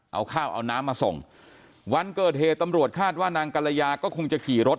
เอาข้าวเอาน้ำมาส่งวันเกิดเหตุตำรวจคาดว่านางกรยาก็คงจะขี่รถ